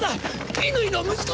乾の息子？